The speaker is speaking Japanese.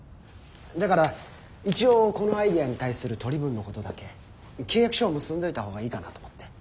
だから一応このアイデアに対する取り分のことだけ契約書を結んどいた方がいいかなと思って。